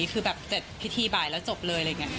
ชนิดเลยอยากแต่งแบบแบบจุ๊ย